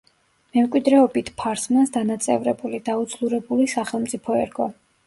მემკვიდრეობით ფარსმანს დანაწევრებული, დაუძლურებული სახელმწიფო ერგო.